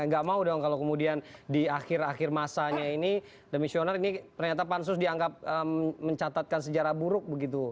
nggak mau dong kalau kemudian di akhir akhir masanya ini demisioner ini ternyata pansus dianggap mencatatkan sejarah buruk begitu